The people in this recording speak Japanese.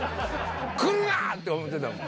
来るな！って思ってたもん。